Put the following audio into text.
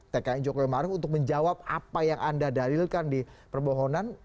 tkn jokowi maruf untuk menjawab apa yang anda dalilkan di perbohonan